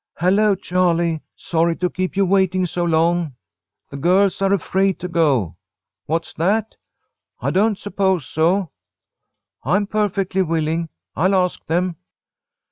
"Hello, Charlie! Sorry to keep you waiting so long." "The girls are afraid to go." "What's that?" "I don't suppose so." "I'm perfectly willing. I'll ask them."